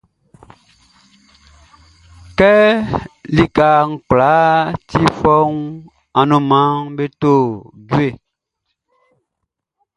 Kɛ lika kwlaa ti fɔuunʼn, anunmanʼm be to jue.